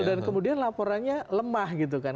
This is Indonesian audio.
dan kemudian laporannya lemah gitu kan